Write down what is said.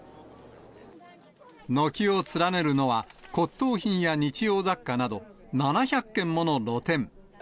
軒を連ねるのは、骨とう品や日用雑貨など、７００軒もの露店。